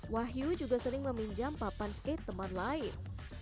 wahyu juga sering meminjam papan skate teman lain